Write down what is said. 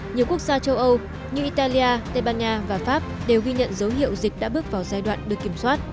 nhiều quốc gia châu âu như italia tây ban nha và pháp đều ghi nhận dấu hiệu dịch đã bước vào giai đoạn được kiểm soát